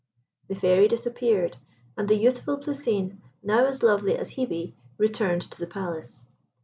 The Fairy disappeared, and the youthful Plousine, now as lovely as Hebe, returned to the palace.